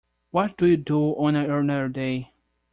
What do you do on an ordinary day?